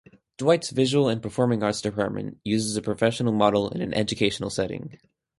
Dwight's Visual and Performing Arts Department uses a professional model in an educational setting.